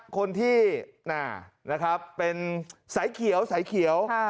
คนที่น่านะครับเป็นใส่เขียวใส่เขียวค่ะ